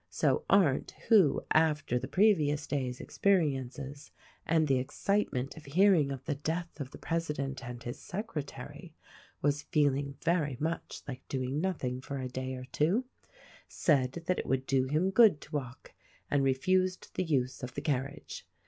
So Arndt, who, after the previous day's experiences and the excitement of hearing of the death of the presi dent and his secretary, was feeling very much like doing nothing for a day or two, said that it would do him good to walk, and refused the use of the carriage.